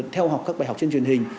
theo học các bài học trên truyền hình